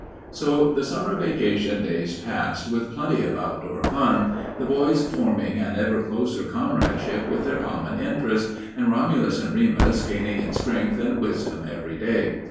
So the summer vacation days passed, with plenty of outdoor fun, the boys forming an ever closer comradeship with their common interest, and Romulus and Remus gaining in strength and wisdom every day.